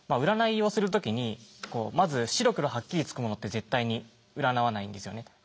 占いをする時にまず白黒はっきりつくものって絶対に占わないんですよね。